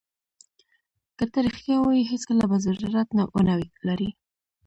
که ته رښتیا ووایې هېڅکله به ضرورت ونه لرې.